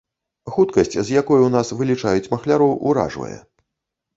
Хуткасць, з якой у нас вылічаюць махляроў, уражвае.